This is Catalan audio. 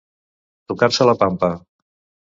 Tocar-se la pampa.